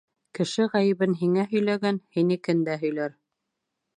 Кеше ғәйебен һиңә һөйләгән һинекен дә һөйләр.